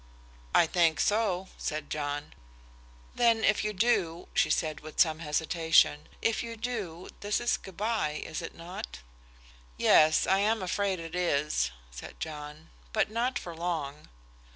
"I think so," said John. "Then, if you do," she said with some hesitation "if you do, this is good by, is it not?" "Yes, I am afraid it is," said John; "but not for long."